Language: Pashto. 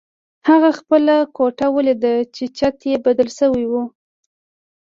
هغه خپله کوټه ولیده چې چت یې بدل شوی و